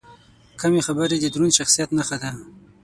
کمې خبرې، د دروند شخصیت نښه ده.